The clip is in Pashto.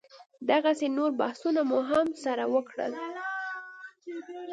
دغسې نور بحثونه مو هم سره وکړل.